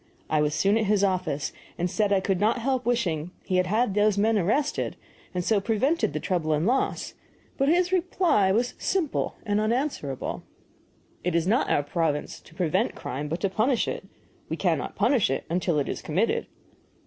I was soon at his office, and said I could not help wishing he had had those men arrested, and so prevented the trouble and loss; but his reply was simple and unanswerable: "It is not our province to prevent crime, but to punish it. We cannot punish it until it is committed."